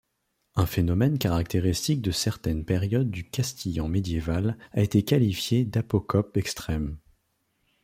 Un phénomène caractéristique de certaines périodes du castillan médiéval a été qualifié d'apocope extrême.